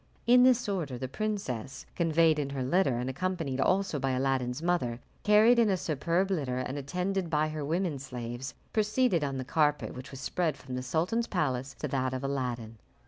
In this order the princess, conveyed in her litter, and accompanied also by Aladdin's mother, carried in a superb litter and attended by her women slaves, proceeded on the carpet which was spread from the sultan's palace to that of Aladdin.